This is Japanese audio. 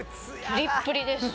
プリップリです